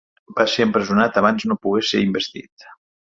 Va ser empresonat abans no pogués ser investit.